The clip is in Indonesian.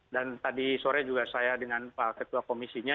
dan tadi sore juga saya dengan pak ketua komisinya